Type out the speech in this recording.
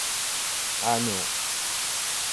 Ɛnu.